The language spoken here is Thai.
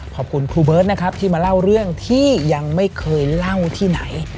ขอบคุณครูเบิร์ตนะครับที่มาเล่าเรื่องที่ยังไม่เคยเล่าที่ไหน